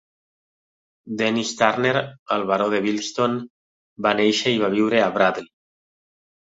Dennis Turner, el baró de Bilston, va néixer i va viure a Bradley.